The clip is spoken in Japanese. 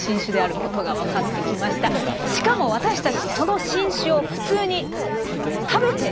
しかも私たちその新種を普通に食べて。